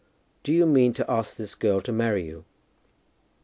"Do you mean to ask this girl to marry you?"